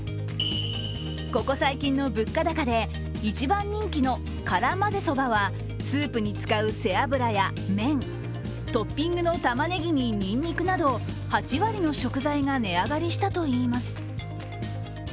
ここ最近の物価高で、一番人気の辛まぜそばはスープに使う背脂や麺、トッピングのたまねぎににんにくなど８割の食材が値上がりしたといいます。